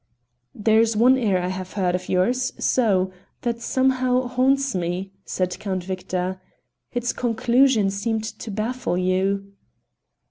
"There is one air I have heard of yours so! that somehow haunts me," said Count Victor; "its conclusion seemed to baffle you."